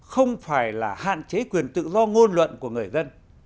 không phải là hạn chế quyền tự do ngôn luận của người dân